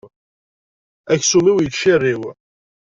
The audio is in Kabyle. Aksum-iw yettciriw.